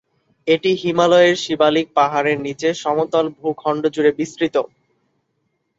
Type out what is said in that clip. এটি হিমালয়ের শিবালিক পাহাড়ের নিচে সমতল ভূখণ্ড জুড়ে বিস্তৃত।